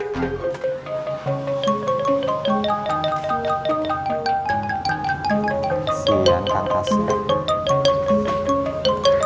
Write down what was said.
kasihan kang aset